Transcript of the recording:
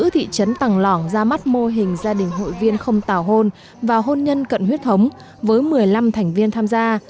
trước thực tế đó hội phụ nữ thị trấn tằng lòng ra mắt mô hình gia đình hội viên không tào hôn và hôn nhân cận huyết thống với một mươi năm thành viên tham gia